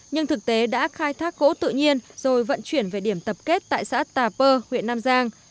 nhưng thực tế đã khai thác gỗ tự nhiên rồi vận chuyển về điểm tập kết tại xã tà pơ huyện nam giang